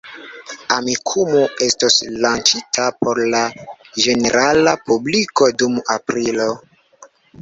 Amikumu estos lanĉita por la ĝenerala publiko dum aprilo.